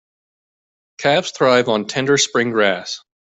Calves thrive on tender spring grass.